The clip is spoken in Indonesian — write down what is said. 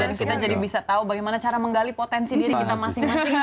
dan kita jadi bisa tahu bagaimana cara menggali potensi diri kita masing masing